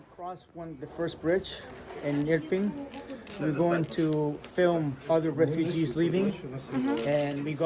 kami akan mencoba untuk mengambil foto dari para pekerja yang meninggal